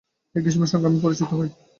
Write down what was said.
এই গ্রীষ্মের সঙ্গে আমি পরিচিত নই।